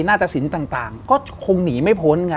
นาฏศิลป์ต่างก็คงหนีไม่พ้น